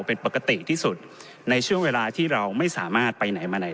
เป็นปกติที่สุดในช่วงเวลาที่เราไม่สามารถไปไหนมาไหน